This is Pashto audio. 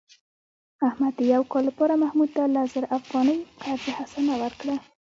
احمد د یو کال لپاره محمود ته لس زره افغانۍ قرض حسنه ورکړه.